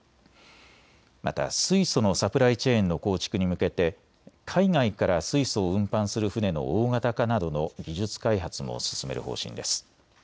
また水素のサプライチェーンの構築に向けて海外から水素を運搬する船の大型化などの技術開発も進める方針です。